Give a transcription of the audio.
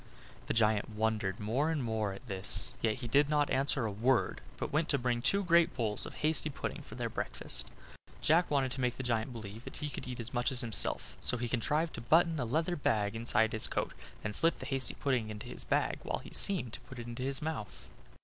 The giant wondered more and more at this; yet he did not answer a word, but went to bring two great bowls of hasty pudding for their breakfast. Jack wanted to make the giant believe that he could eat as much as himself, so he contrived to button a leathern bag inside his coat, and slip the hasty pudding into this bag, while he seemed to put it into his mouth.